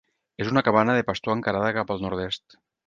És una cabana de pastor encarada cap al nord-est.